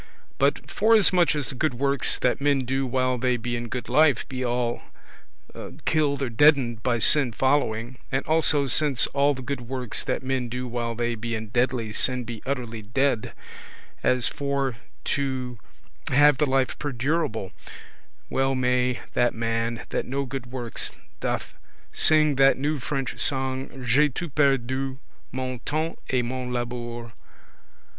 But forasmuch as the good works that men do while they be in good life be all amortised [killed, deadened] by sin following, and also since all the good works that men do while they be in deadly sin be utterly dead, as for to have the life perdurable [everlasting], well may that man that no good works doth, sing that new French song, J'ai tout perdu — mon temps et mon labour <5>.